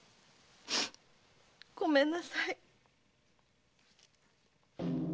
ごめんなさい。